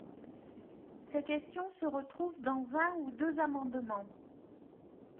Ces questions se retrouvent dans un ou deux amendements.